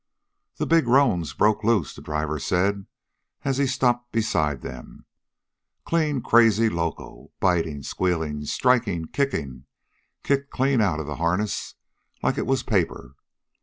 "The big roan's broke loose," the driver said, as he stopped beside them. "Clean crazy loco bitin', squealin', strikin', kickin'. Kicked clean out of the harness like it was paper.